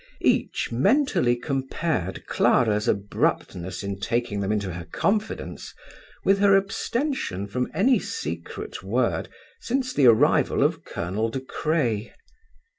Each mentally compared Clara's abruptness in taking them into her confidence with her abstention from any secret word since the arrival of Colonel De Craye.